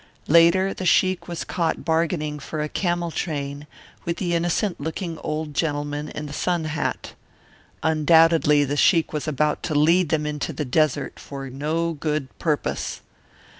Later the sheik was caught bargaining for a camel train with the innocent looking old gentleman in the sun hat. Undoubtedly the sheik was about to lead them into the desert for no good purpose.